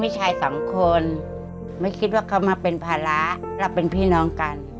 ชายสองคนไม่คิดว่าเขามาเป็นภาระเราเป็นพี่น้องกัน